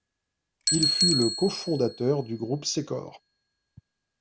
Il fut le cofondateur du Groupe Sécor.